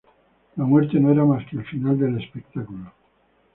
La muerte no era más que el final del espectáculo.